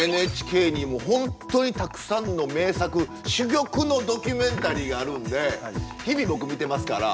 ＮＨＫに本当にたくさんの名作珠玉のドキュメンタリーがあるんで日々僕見てますから。